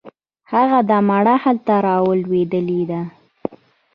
هغه ده مڼه هلته رالوېدلې ده.